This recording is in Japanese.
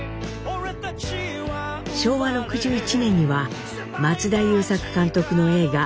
昭和６１年には松田優作監督の映画